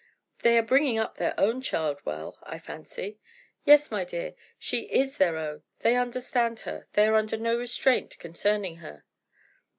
"They are bringing up their own child well, I fancy." "Yes, my dear; she is their own; they understand her; they are under no restraint concerning her."